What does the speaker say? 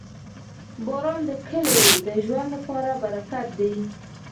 • باران د کلیو د ژوند لپاره برکت دی.